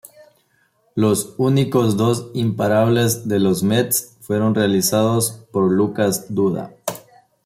Los únicos dos imparables de los Mets fueron realizados por Lucas Duda.